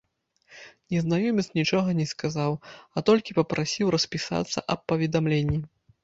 Незнаёмец нічога не сказаў, а толькі папрасіў распісацца аб паведамленні.